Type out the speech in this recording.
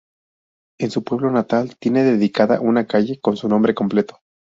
En su pueblo natal tiene dedicada una calle, con su nombre completo.